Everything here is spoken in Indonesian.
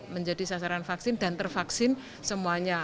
menjadi sasaran vaksin dan tervaksin semuanya